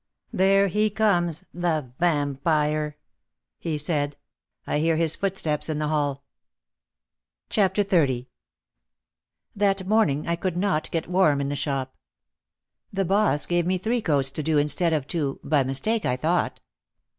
"There he comes, the Vam pire," he said. "I hear his footsteps in the hall." OUT OF THE SHADOW 121 XXX That morning I could not get warm in the shop. The boss gave me three coats to do instead of two, by mis take I thought.